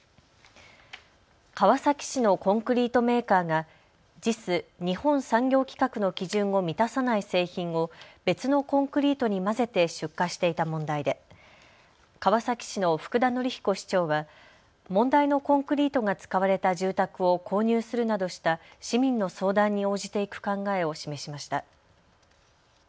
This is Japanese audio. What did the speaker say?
川崎市のコンクリートメーカーがＪＩＳ・日本産業規格の基準を満たさない製品を別のコンクリートに混ぜて出荷していた問題で川崎市の福田紀彦市長は問題のコンクリートが使われた住宅を購入するなどした市民の相談に応じていく考えを示しました。